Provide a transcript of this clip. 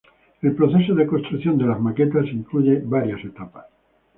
El proceso de construcción de las maquetas incluye varias etapas.